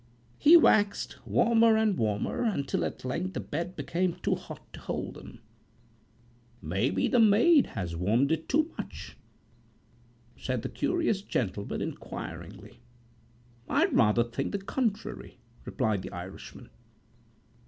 He waxed warmer and warmer, until at length the bed became too hot to hold him."May be the maid had warmed it too much?" said the curious gentleman, inquiringly."I rather think the contrary," replied the Irishman.